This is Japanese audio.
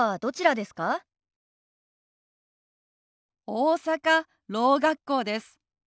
大阪ろう学校です。